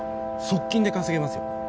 即金で稼げますよ！